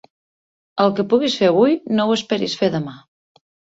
El que puguis fer avui, no ho esperis fer demà.